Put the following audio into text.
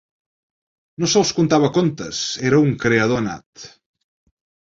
No sols contava contes: era un creador nat.